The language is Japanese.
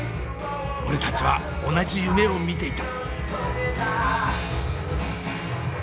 俺たちは同じ夢を見ていた。